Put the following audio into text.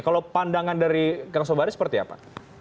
kalau pandangan dari kang sobari seperti apa